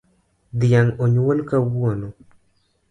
Dhiang onyuol kawuono